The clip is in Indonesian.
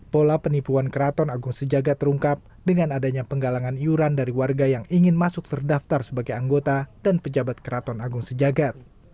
pola penipuan keraton agung sejagat terungkap dengan adanya penggalangan iuran dari warga yang ingin masuk terdaftar sebagai anggota dan pejabat keraton agung sejagat